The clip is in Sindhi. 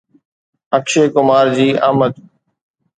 اڪشي ڪمار جي آمد